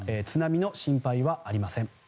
津波の心配はありません。